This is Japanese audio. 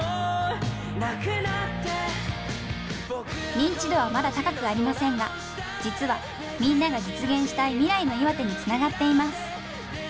認知度はまだ高くありませんが実はみんなが実現したい未来の岩手につながっています。